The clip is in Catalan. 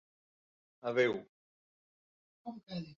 Adeu.